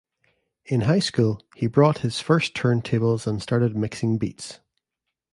In high school, he bought his first turntables and started mixing beats.